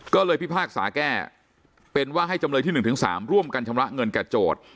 ก็เลยพิพากษาแก้เป็นว่าให้จำเลยที่๑๓ร่วมกันชำระเงินแก่โจทย์